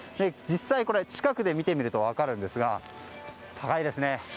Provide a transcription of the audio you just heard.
実際に近くで見てみると分かるんですが高いですね。